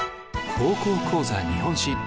「高校講座日本史」。